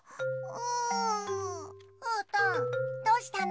うーたんどうしたの？